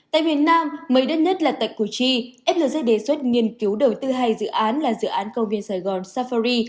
tại miền nam mới đất nhất là tại cù chi flc đề xuất nghiên cứu đầu tư hai dự án là dự án công viên sài gòn safari